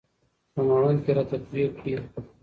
په مړوند کې راته پرې کړي.